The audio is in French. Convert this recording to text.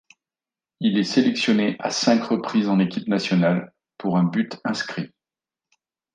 Il est sélectionné à cinq reprises en équipe nationale, pour un but inscrit.